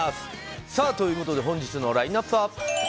ということで本日のラインアップは。